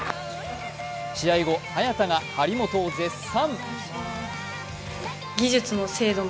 試合後、早田が張本を絶賛。